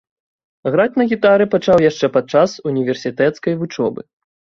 Граць на гітары пачаў яшчэ падчас універсітэцкай вучобы.